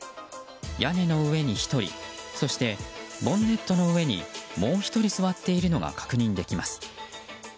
屋根の上に１人そしてボンネットの上にもう１人座っているのが確認できます。